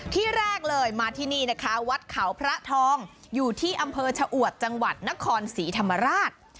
ที่แรกเลยมาที่นี่นะคะวัดเขาพระทองอยู่ที่อำเภอชะอวดจังหวัดนครศรีธรรมราช